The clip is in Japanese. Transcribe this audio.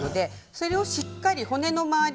それをしっかり骨の周り